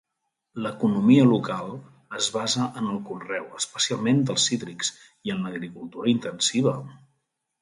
L'economia local es basa en el conreu, especialment dels cítrics, i en l'agricultura intensiva.